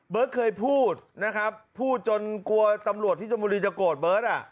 เคยพูดนะครับพูดจนกลัวตำรวจที่ชนบุรีจะโกรธเบิร์ต